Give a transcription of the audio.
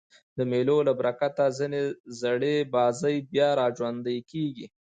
د مېلو له برکته ځیني زړې بازۍ بیا راژوندۍ کېږي.